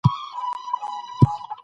او روغ رمټ ژوند ولرئ.